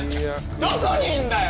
どこにいんだよ！